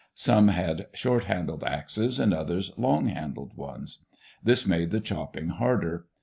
Some had short handled axes, and others long handled ones. This made the chopping harder.